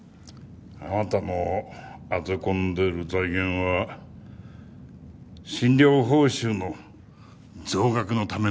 あなたの当て込んでいる財源は診療報酬の増額のためのものなんだよ。